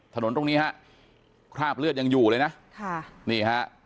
ถนนตรงนี้ฮะคราบเลือดยังอยู่เลยนะค่ะนี่ฮะ